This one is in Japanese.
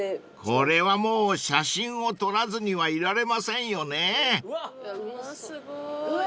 ［これはもう写真を撮らずにはいられませんよね］うわ！